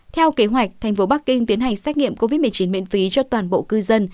theo kế hoạch thành phố bắc kinh tiến hành xét nghiệm covid một mươi chín miễn phí cho toàn bộ cư dân